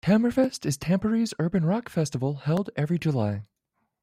Tammerfest is Tampere's urban rock festival held every July.